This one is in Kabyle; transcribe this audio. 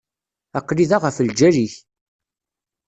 Aql-i da ɣef lǧal-ik.